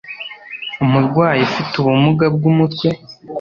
umurwayi ufite ubumuga bw'umutwe